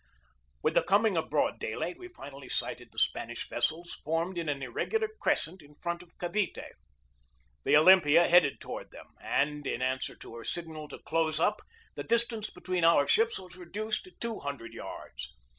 With the coming of broad daylight we finally sighted the Spanish vessels formed in an irregular crescent in front of Cavite. The Olympia headed THE BATTLE OF MANILA BAY 213 toward them, and in answer to her signal to close up, the distance between our ships was reduced to two hundred yards.